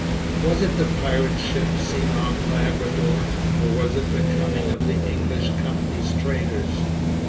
Was it the pirate ship seen off Labrador? or was it the coming of the English Company's traders?